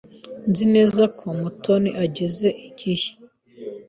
Nzi neza ko Mutoni ageze igihe.